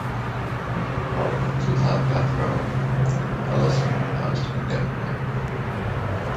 While Brooks was on death row Ellis Unit housed condemned men.